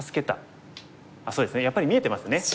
そうですねやっぱり見えてますね。